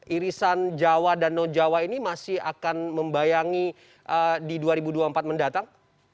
irisan jawa dan non jawa ini masih akan membayangi di dua ribu dua puluh empat mendatang